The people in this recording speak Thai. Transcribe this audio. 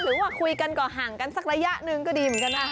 ว่าคุยกันก็ห่างกันสักระยะหนึ่งก็ดีเหมือนกันนะ